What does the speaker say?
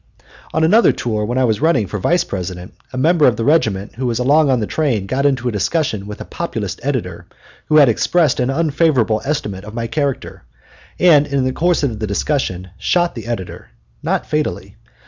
On another tour, when I was running for Vice President, a member of the regiment who was along on the train got into a discussion with a Populist editor who had expressed an unfavorable estimate of my character, and in the course of the discussion shot the editor not fatally.